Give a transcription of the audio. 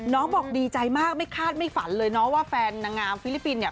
บอกดีใจมากไม่คาดไม่ฝันเลยเนาะว่าแฟนนางงามฟิลิปปินส์เนี่ย